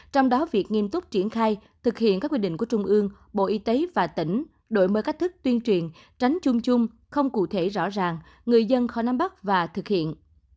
trong đó việc nghiêm túc triển khai thực hiện các quy định của trung ương bộ y tế và tỉnh đổi mới cách thức tuyên truyền tránh chung chung không cụ thể rõ ràng người dân khó nắm bắt và thực hiện